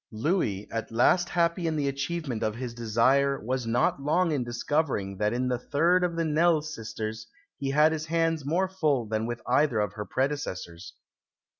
Louis, at last happy in the achievement of his desire, was not long in discovering that in the third of the Nesle sisters he had his hands more full than with either of her predecessors.